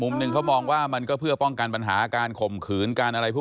มุมหนึ่งเขามองว่ามันก็เพื่อป้องกันปัญหาการข่มขืนการอะไรพวก